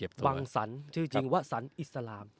ฟังสรรชื่อจริงว่าสันอิสลาม